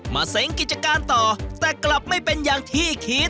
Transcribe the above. เซ้งกิจการต่อแต่กลับไม่เป็นอย่างที่คิด